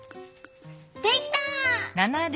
できた！